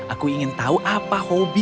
aku ingin tahu apa hobi